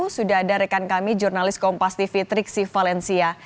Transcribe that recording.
sudah ada rekan kami jurnalis kompas tv triksi valencia